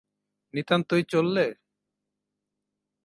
– নিতান্তই চললে?